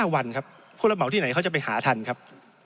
๕วันครับผู้ระเหมาที่ไหนเขาจะไปหาทันครับ